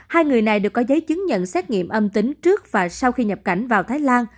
hai người này được có giấy chứng nhận xét nghiệm âm tính trước và sau khi nhập cảnh vào thái lan